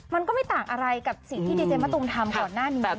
มันก็ไม่ต่างอะไรกับสิ่งที่ดีเจมะตูมทำก่อนหน้านี้